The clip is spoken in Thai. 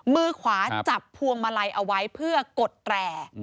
มือขวาจับพวงมาลัยเอาไว้เพื่อกดแตร